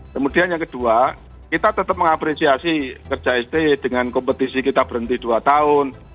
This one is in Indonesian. kemudian yang kedua kita tetap mengapresiasi kerja sti dengan kompetisi kita berhenti dua tahun